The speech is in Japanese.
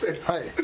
はい。